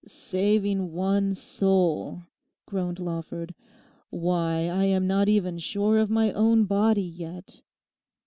'Saving one's soul,' groaned Lawford; 'why, I am not even sure of my own body yet.